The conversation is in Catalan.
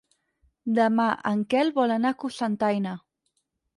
Demà en Quel vol anar a Cocentaina.